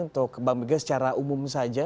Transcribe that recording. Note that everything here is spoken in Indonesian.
untuk ke bank mega secara umum saja